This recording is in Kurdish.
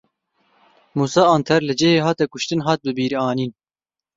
Mûsa Anter li cihê hate kuştin hat bibîranîn.